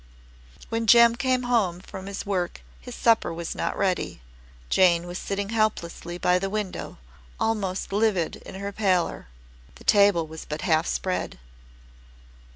When Jem came home from his work his supper was not ready. Jane was sitting helplessly by the window, almost livid in her pallor. The table was but half spread.